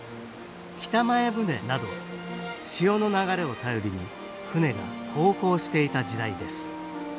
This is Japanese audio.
北前船など潮の流れを頼りに船が航行していた時代です